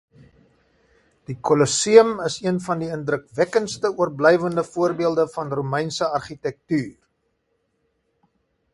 Die Colosseum is een van die indrukwekkendste oorblywende voorbeelde van Romeinse argitektuur.